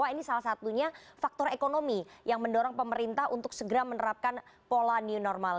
ini salah satunya faktor ekonomi yang mendorong pemerintah untuk segera menerapkan pola new normal